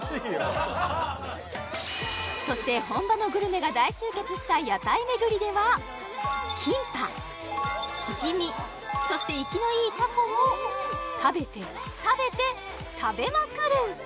そして本場のグルメが大集結した屋台巡りではそして生きのいいタコを食べて食べて食べまくる！